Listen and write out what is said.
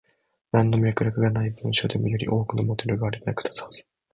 なんの脈絡がない文章でも、より多くのモデルがあれば役立つはず。